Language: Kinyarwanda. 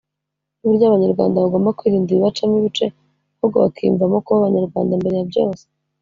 n’uburyo Abanyarwanda bagomba kwirinda ibibacamo ibice ahubwo bakiyumvamo kuba Abanyarwanda mbere ya byose